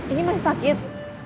ini masih sakit